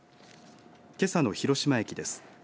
けさの広島駅です。